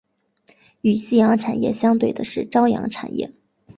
与夕阳产业相对的是朝阳产业。